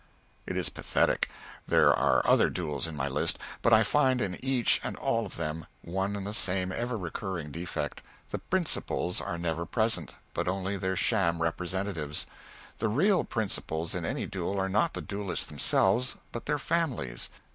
It is pathetic. There are other duels in my list, but I find in each and all of them one and the same ever recurring defect the principals are never present, but only their sham representatives. The real principals in any duel are not the duellists themselves, but their families.